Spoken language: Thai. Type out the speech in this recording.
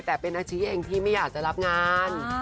แต่เป็นอาชีพเองที่ไม่อยากจะรับงาน